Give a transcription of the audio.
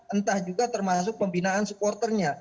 entah juga termasuk pembinaan supporternya